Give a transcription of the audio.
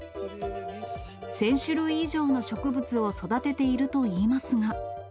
１０００種類以上の植物を育てているといいますが。